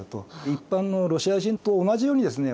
一般のロシア人と同じようにですね